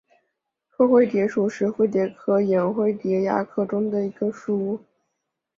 拓灰蝶属是灰蝶科眼灰蝶亚科中的一个属。